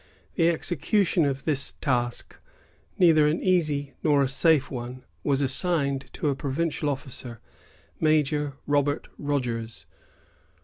The execution of this task, neither an easy nor a safe one, was assigned to a provincial officer, Major Robert Rogers.